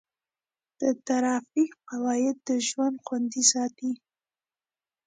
د ټرافیک قواعد د ژوند خوندي ساتي.